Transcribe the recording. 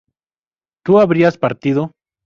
¿tú habrías partido?